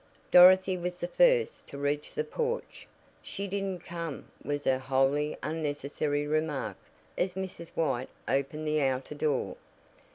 Dorothy was the first to reach the porch. "She didn't come," was her wholly unnecessary remark as Mrs. White opened the outer door.